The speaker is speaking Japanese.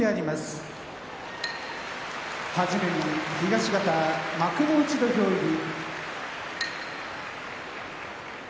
はじめに東方幕内土俵入り。